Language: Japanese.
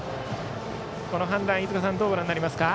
この判断、飯塚さんはどうご覧になりますか。